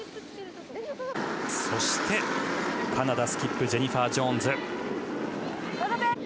そしてカナダ、スキップジェニファー・ジョーンズ。